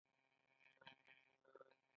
انګلیسي د اختراعاتو ژبه ده